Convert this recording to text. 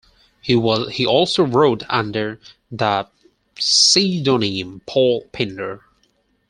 He also wrote under the pseudonym Paul Pindar.